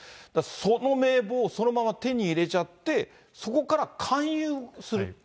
その名簿をそのまま手に入れちゃって、そこから勧誘する。